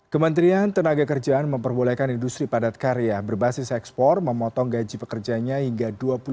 kementerian tenaga kerjaan memperbolehkan industri padat karya berbasis ekspor memotong gaji pekerjanya hingga dua puluh lima